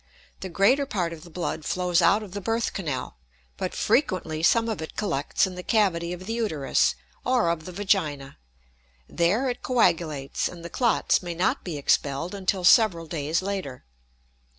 The greater part of the blood flows out of the birth canal, but frequently some of it collects in the cavity of the uterus or of the vagina; there it coagulates, and the clots may not be expelled until several days later.